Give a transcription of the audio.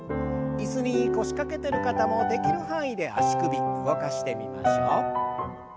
椅子に腰掛けてる方もできる範囲で足首動かしてみましょう。